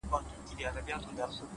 دا چا ويل چي له هيواده سره شپې نه كوم.